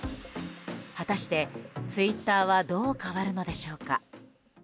果たしてツイッターはどう変わるのでしょうか。